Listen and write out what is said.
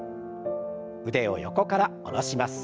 腕を横から下ろします。